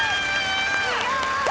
すごい！